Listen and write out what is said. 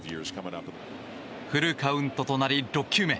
フルカウントとなり、６球目。